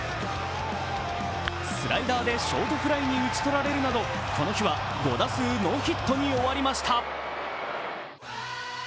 スライダーでショートフライに打ち取られるなどこの日は５打数ノーヒットに終わりました。